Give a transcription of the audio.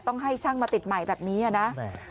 ต้องให้ช่างมาติดใหม่แบบนี้นะ